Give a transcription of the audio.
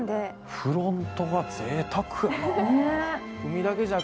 フロントがぜいたくやな。